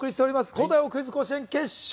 東大王クイズ甲子園決勝。